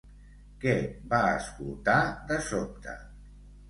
Què va escoltar de sobte?